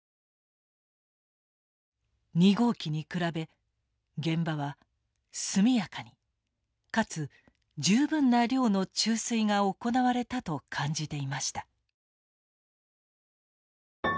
２号機に比べ現場は速やかにかつ十分な量の注水が行われたと感じていました。